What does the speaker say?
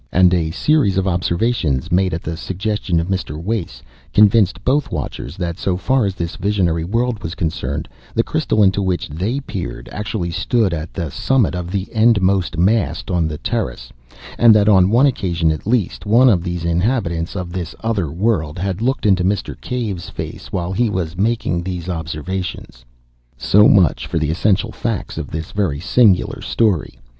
And a series of observations, made at the suggestion of Mr. Wace, convinced both watchers that, so far as this visionary world was concerned, the crystal into which they peered actually stood at the summit of the endmost mast on the terrace, and that on one occasion at least one of these inhabitants of this other world had looked into Mr. Cave's face while he was making these observations. So much for the essential facts of this very singular story.